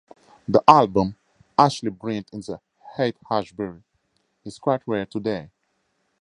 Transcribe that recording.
The album, "Ashleigh Brilliant in the Haight-Ashbury", is quite rare today.